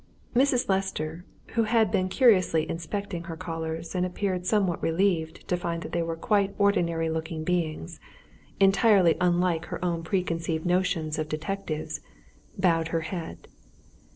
Mrs. Lester, who had been curiously inspecting her callers and appeared somewhat relieved to find that they were quite ordinary looking beings, entirely unlike her own preconceived notions of detectives, bowed her head.